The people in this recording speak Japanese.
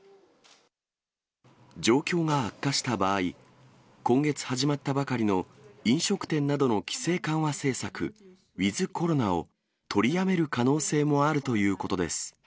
状況が悪化した場合、今月始まったばかりの飲食店などの規制緩和政策、ウィズコロナを取りやめる可能性もあるということです。